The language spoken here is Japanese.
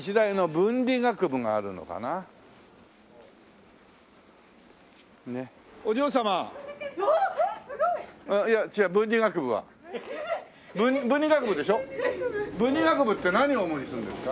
文理学部って何を主にするんですか？